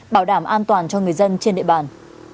bảo đảm an toàn cho người dân trên địa bàn